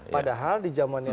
padahal di zamannya